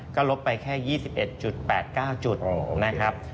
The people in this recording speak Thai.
ก็ลบไปแค่๒๑๘๙จุดนะครับ